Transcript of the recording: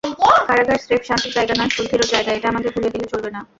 কারাগার স্রেফ শাস্তির জায়গা নয়, শুদ্ধিরও জায়গা—এটা আমাদের ভুলে গেলে চলবে না।